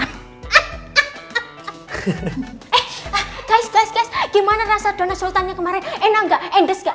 eh guys guys guys gimana rasa donat sultannya kemarin enak gak